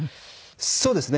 そうですね。